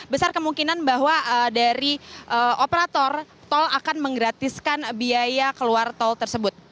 besar kemungkinan bahwa dari operator tol akan menggratiskan biaya keluar tol tersebut